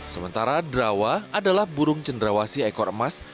sementara drawa adalah burung cendrawasi ekor emas